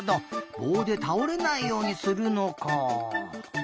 ぼうでたおれないようにするのか！